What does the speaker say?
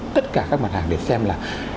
tất cả các vật hàng để xem là